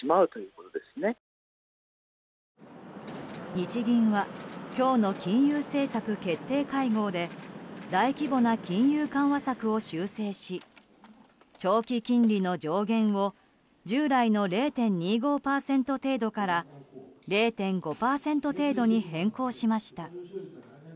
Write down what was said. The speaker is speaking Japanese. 日銀は今日の金融政策決定会合で大規模な金融緩和策を修正し長期金利の上限を従来の０．２５％程度から０．５％程度に変更しました。